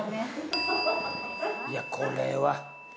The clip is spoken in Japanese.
いやこれは。